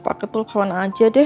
pake tol kawan aja deh